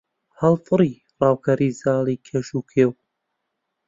هەڵفڕی ڕاوکەری زاڵی کەژ و کێو